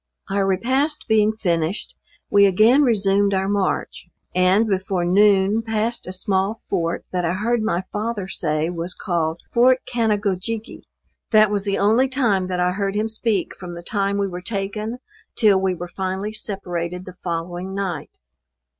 Our repast being finished, we again resumed our march, and, before noon passed a small fort that I heard my father say was called Fort Canagojigge. That was the only time that I heard him speak from the time we were taken till we were finally separated the following night.